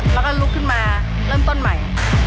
แล้วก็ลุกขึ้นมาเริ่มต้นใหม่